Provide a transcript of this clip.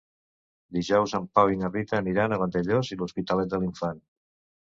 Dijous en Pau i na Rita aniran a Vandellòs i l'Hospitalet de l'Infant.